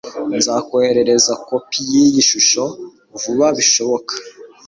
nzakoherereza kopi yiyi shusho vuba bishoboka